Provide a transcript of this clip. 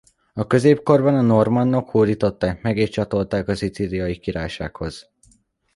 A középkorban a normannok hódították meg és csatolták a Szicíliai Királysághoz.